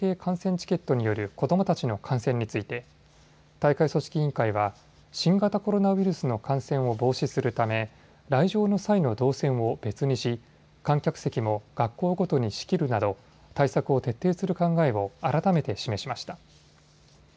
チケットによる子どもたちの観戦について大会組織委員会は新型コロナウイルスの感染を防止するため来場の際の動線を別にし観客席も学校ごとに仕切るなど対策を徹底する考えを改めて示しました。